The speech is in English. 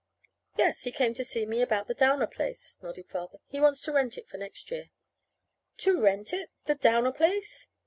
"Yes. He came to see me about the Downer place," nodded Father. "He wants to rent it for next year." "To rent it the Downer place!"